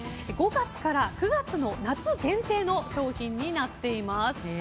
５月から９月の夏限定の商品になっています。